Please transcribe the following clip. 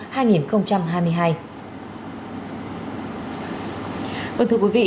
vâng thưa quý vị